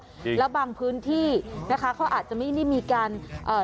จริงและบางพื้นที่นะคะเขาอาจจะไม่มีมีการเอ่อ